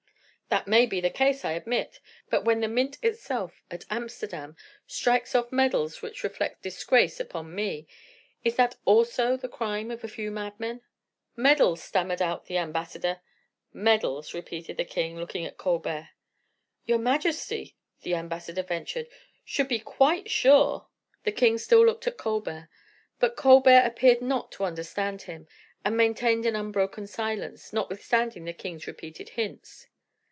"That may be the case, I admit. But when the mint itself, at Amsterdam, strikes off medals which reflect disgrace upon me, is that also the crime of a few madmen?" "Medals!" stammered out the ambassador. "Medals," repeated the king, looking at Colbert. "Your majesty," the ambassador ventured, "should be quite sure " The king still looked at Colbert; but Colbert appeared not to understand him, and maintained an unbroken silence, notwithstanding the king's repeated hints.